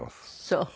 そう。